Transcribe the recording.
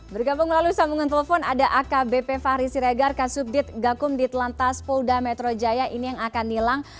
bergabung melalui sambungan telepon ada akbp fahri siregar kasubdit gakum di telantas polda metro jaya ini yang akan nilang